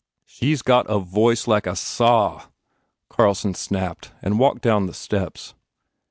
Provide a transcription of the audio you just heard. "She s got a voice like a saw," Carlson snapped and walked down the steps.